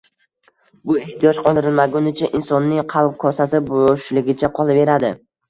Bu ehtiyoj qondirilmagunicha insonning qalb kosasi bo`shligicha qolaveradi